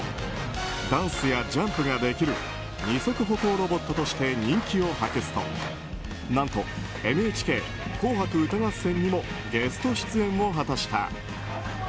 ダンスやジャンプができる２足歩行ロボットとして人気を博すと何と「ＮＨＫ紅白歌合戦」にもゲスト出演を果たした。